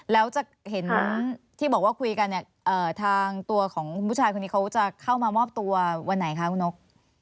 แล้วจะเห็นที่บอกว่าคุยกันเนี่ยทางตัวของผู้ชายคนนี้เขาจะเข้ามามอบตัววันไหนคะคุณนก